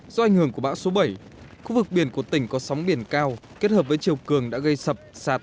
do ảnh hưởng của bão số bảy khu vực biển của tỉnh có sóng biển cao kết hợp với chiều cường đã gây sập sạt